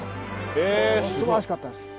すばらしかったです。